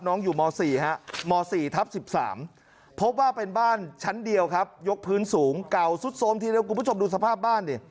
น้องอยู่ม๔ครับ